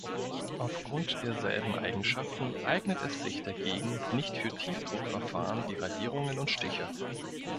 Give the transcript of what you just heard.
Aufgrund derselben Eigenschaften eignet es sich dagegen nicht für Tiefdruckverfahren wie Radierungen und Stiche.